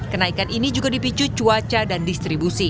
kenaikan ini juga dipicu cuaca dan distribusi